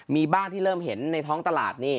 มีบ้านที่เริ่มเห็นในท้องตลาดนี่